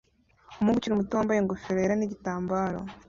Umuhungu ukiri muto wambaye ingofero yera nigitambaro